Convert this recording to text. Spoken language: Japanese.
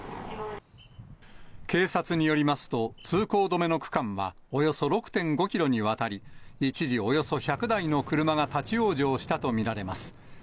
警察によりますと、通行止めの区間はおよそ６．５キロにわたり、一時、およそ１００台の車が立往生したと見られます。